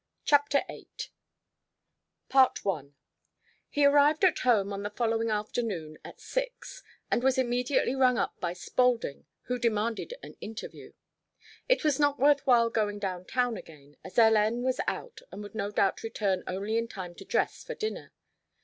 CHAPTER VIII I He arrived at home on the following afternoon at six and was immediately rung up by Spaulding, who demanded an interview. It was not worth while going down town again, as Hélène was out and would no doubt return only in time to dress for dinner.